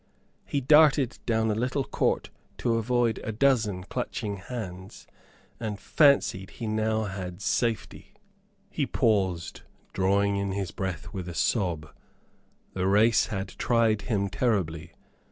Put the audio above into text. He darted down a little court to avoid a dozen clutching hands, and fancied he had now safety. He paused, drawing in his breath with a sob. The race had tried him terribly.